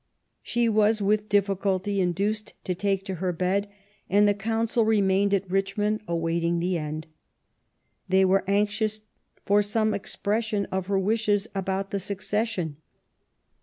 She was with difficulty induced to take to her bed, and the Council remained at Richmond awaiting the end. They were anxious for some expression of her wishes about the succession.